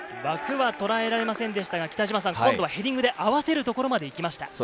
枠は捉えられませんでしたが、今度はヘディングで合わせるところまでいきました。